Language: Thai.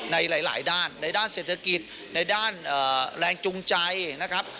ในหลายด้านในด้านเศรษฐกิจในด้านแรงจูงใจนะครับ